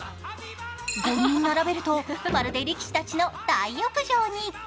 ５人並べるとまるで力士たちの大浴場に。